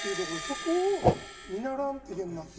そこを見習わんといけんなって。